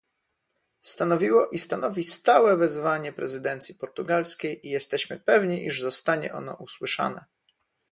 Stanowiło i stanowi stałe wezwanie prezydencji portugalskiej i jesteśmy pewni, iż zostanie ono usłyszane